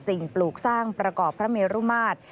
ปลูกสร้างประกอบพระเมรุมาตร